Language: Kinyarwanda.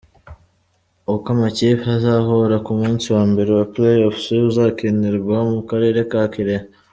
Uko amakipe azahura ku munsi wa mbere wa Playoffs uzakinirwa mu karere ka Kirehe